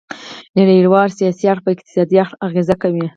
نړیوال سیاسي اړخ په اقتصادي اړخ اغیزه کوي